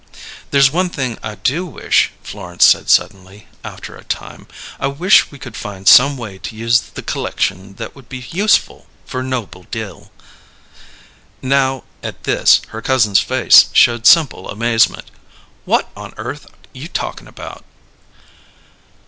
"There's one thing I do wish," Florence said suddenly, after a time. "I wish we could find some way to use the c'lection that would be useful for Noble Dill." Now, at this, her cousin's face showed simple amazement. "What on earth you talkin' about?"